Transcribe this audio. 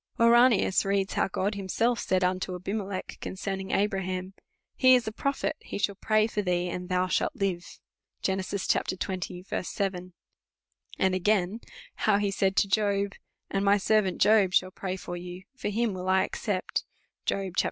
Ouranius reads how God himself said unto Abime lech concerning Abraham, He is a prophet: he shall Jtraij for thee and thou shall live. Gen. xx. 7. And again, how he said of Job : And my servant Job shall pray for you ; for him icill I accept, Job xlii.